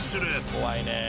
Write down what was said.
怖いねぇ。